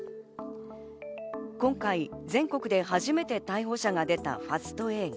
今回全国で初めて逮捕者が出たファスト映画。